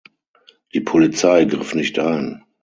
Die Polizei griff nicht ein.